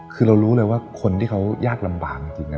คือเรารู้เลยว่าคนที่เขายากลำบากจริงนะ